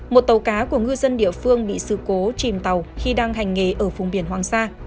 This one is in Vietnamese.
một tàu cá của ngư dân địa phương bị sự cố chìm tàu khi đang hành nghề ở vùng biển hoàng sa